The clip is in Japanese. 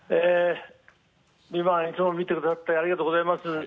「ＶＩＶＡＮＴ」、いつも見てくださってありがとうございます。